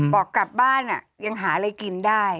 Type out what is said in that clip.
บอกกลับบ้านยังหาอะไรกินได้